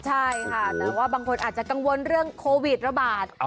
ใช่ค่ะแต่ว่าบางคนอาจจะกังวลเรื่องโควิดระบาด